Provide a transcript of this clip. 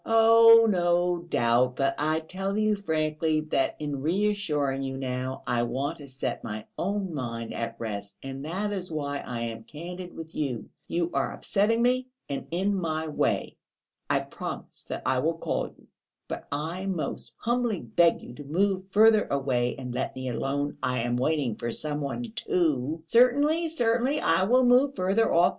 "Oh, no doubt. But I tell you frankly that in reassuring you now, I want to set my own mind at rest, and that is why I am candid with you; you are upsetting me and in my way. I promise that I will call you. But I most humbly beg you to move further away and let me alone. I am waiting for some one too." "Certainly, certainly, I will move further off.